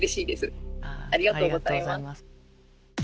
ありがとうございます。